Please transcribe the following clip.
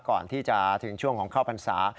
ก่อนที่จะถึงช่วงของเข้าพรรษา